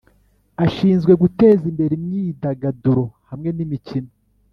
Ashinzwe guteza imbere imyidagaduro hamwe n’imikino